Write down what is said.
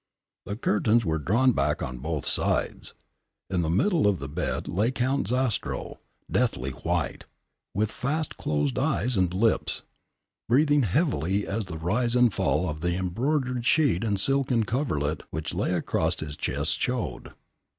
The curtains were drawn back on both sides. In the middle of the bed lay Count Zastrow, deathly white, with fast closed eyes and lips, breathing heavily as the rise and fall of the embroidered sheet and silken coverlet which lay across his chest showed.